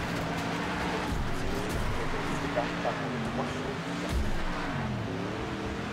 La liste ci-dessous présente ces parcs par ordre croissant de superficie.